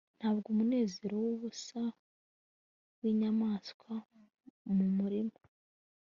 Ntabwo umunezero wubusa winyamaswa mu murima